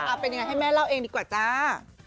เอาเป็นยังไงให้แม่เล่าเองดีกว่าจ้า